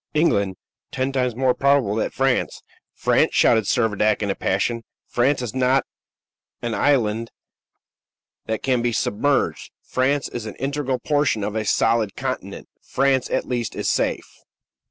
"England! Ten times more probable that France " "France!" shouted Servadac in a passion. "France is not an island that can be submerged; France is an integral portion of a solid continent. France, at least, is safe."